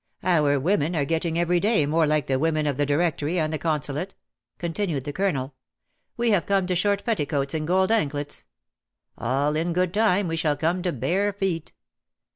" Our women are getting every day more like the women of the Directory, and the Consulate, " con 195 tinned the Colonel. ''We have come to short petti coats and gold anklets. All in good time we shall come to bare feet.